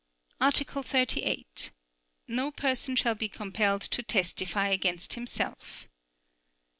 Article 38. No person shall be compelled to testify against himself.